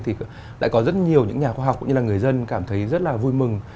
thì đã có rất nhiều những nhà khoa học cũng như là người dân cảm thấy rất là vui mừng